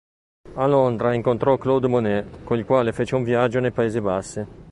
A Londra incontrò Claude Monet, con il quale fece un viaggio nei Paesi Bassi.